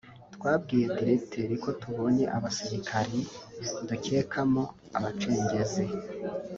twabwiye Directeur ko tubonye abasirikari dukeka mo abacengezi